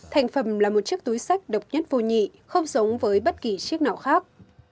thành phẩm là một chiếc túi sách độc nhất vô nhị không giống với bất kỳ chiếc nào khác